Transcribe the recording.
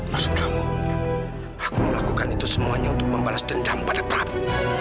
maksud kamu aku melakukan itu semuanya untuk membalas dendam pada prabu